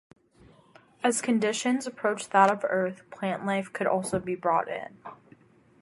As conditions approach that of Earth, plant life could also be brought in.